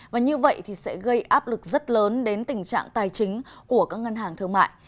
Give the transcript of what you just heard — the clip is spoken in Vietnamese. và như vậy thì sẽ gây áp lực rất lớn đến tình trạng tài chính của các ngân hàng thương mại